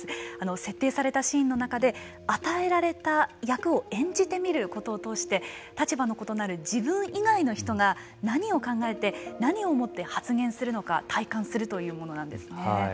設定されたシーンの中で与えられた役を演じてみることを通して立場の異なる自分以外の人が何を考えて何を思って発言するのか体感するというものなんですね。